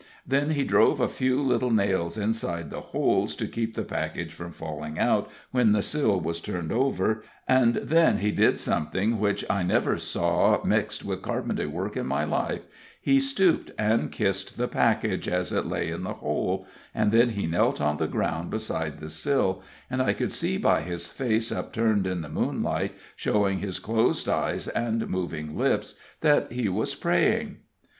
Then he drove a few little nails inside the holes to keep the package from falling out when the sill was turned over; and then he did something which I never saw mixed with carpenter work in my life he stooped and kissed the package as it lay in the hole, and then he knelt on the ground beside the sill, and I could see by his face upturned in the moonlight, showing his closed eyes and moving lips, that he was praying. [Illustration: HE KNELT ON THE GROUND BESIDES THE SILL, AND I COULD SEE THAT HE WAS PRAYING.